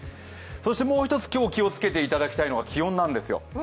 そしてもう一つ今日気をつけていただきいのは気温なんです。